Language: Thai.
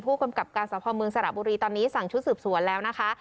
กำกับการสะพอเมืองสระบุรีตอนนี้สั่งชุดสืบสวนแล้วนะคะ